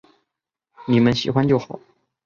妳们喜欢就好